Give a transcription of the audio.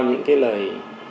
những cái lời